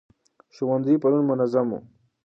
ښوونځي پرون منظم وو.